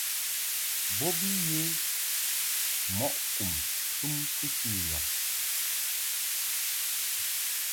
Bo bi yə mɔʼ kum tum kɨsɨ yab.